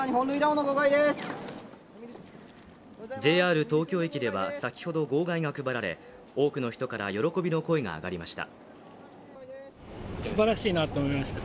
ＪＲ東京駅では先ほど号外が配られ、多くの人から喜びの声が上がりました。